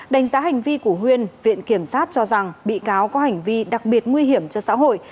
đánh giá hành vi của huyên viện kiểm sát cho rằng bị cáo có hành vi đặc biệt nguy hiểm cho xã hội